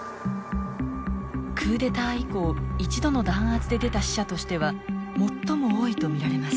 クーデター以降一度の弾圧で出た死者としては最も多いと見られます。